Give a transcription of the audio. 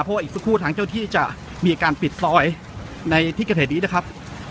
เพราะว่าอีกสักครู่ทางเจ้าที่จะมีการปิดซอยในที่เกิดเหตุนี้นะครับ